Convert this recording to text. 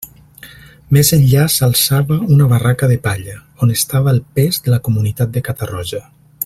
Més enllà s'alçava una barraca de palla, on estava el pes de la Comunitat de Catarroja.